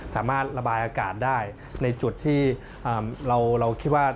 สามารถระบายอากาศได้ในจุดที่เราคิดว่า